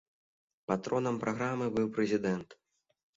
Патронам праграмы быў прэзідэнт.